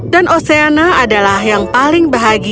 dan oceana adalah yang paling bahagia